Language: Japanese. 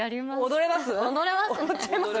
踊れます？